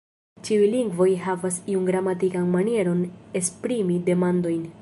Ĉiuj lingvoj havas iun gramatikan manieron esprimi demandojn.